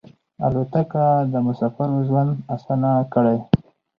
الوتکه د مسافرو ژوند اسانه کړی.